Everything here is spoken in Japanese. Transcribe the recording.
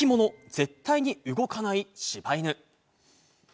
絶対に動かないしば犬。